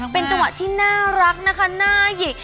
เป็นจังหวะที่น่ารักนะคะหน้าหยิก